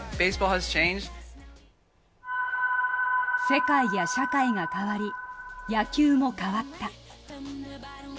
世界や社会が変わり、野球も変わった。